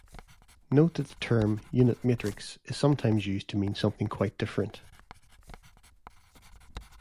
Note that the term "unit matrix" is sometimes used to mean something quite different.